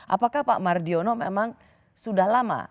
apakah pak mardiono memang sudah lama